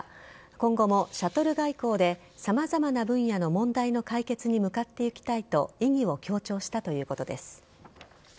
今後もシャトル外交で様々な分野の問題の解決に向かっていきたいと意義を強調したということです。